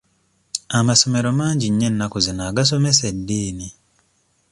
Amasomero mangi nnyo ennaku zino agasomesa eddiini.